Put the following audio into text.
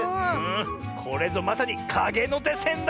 これぞまさにかげのてせんだ！